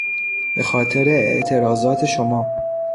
به خاطر اعتراضات شما...